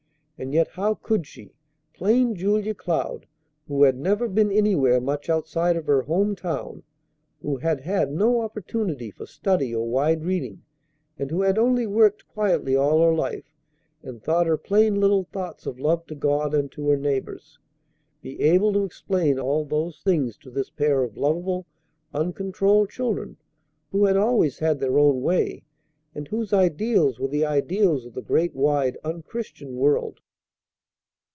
And yet how could she, plain Julia Cloud, who had never been anywhere much outside of her home town, who had had no opportunity for study or wide reading, and who had only worked quietly all her life, and thought her plain little thoughts of love to God and to her neighbors, be able to explain all those things to this pair of lovable, uncontrolled children, who had always had their own way, and whose ideals were the ideals of the great wide unchristian world?